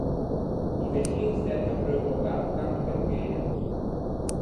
I vexin en stæti apreuvo a-o gatto tanto che no gh’ea.